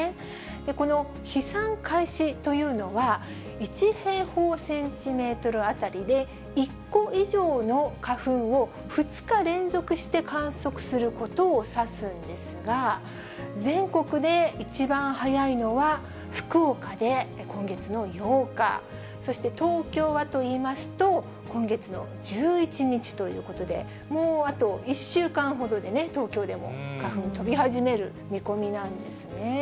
この飛散開始というのは、１平方センチメートル当たりで１個以上の花粉を２日連続して観測することをさすんですが、全国で一番早いのは福岡で今月の８日、そして東京はといいますと、今月の１１日ということで、もうあと１週間ほどでね、東京でも花粉、飛び始める見込みなんですね。